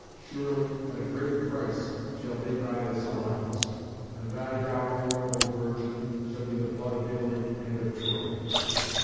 Surely at a great price shall they buy this alliance; and thy dowry, O virgin, shall be the blood of Italy and of Troy."